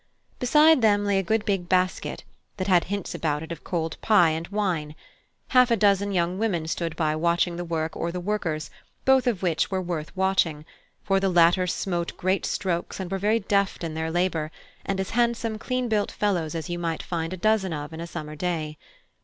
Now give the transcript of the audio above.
Beside them lay a good big basket that had hints about it of cold pie and wine: a half dozen of young women stood by watching the work or the workers, both of which were worth watching, for the latter smote great strokes and were very deft in their labour, and as handsome clean built fellows as you might find a dozen of in a summer day.